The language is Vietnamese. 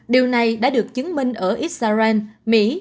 điều này đã được chứng minh ở israel mỹ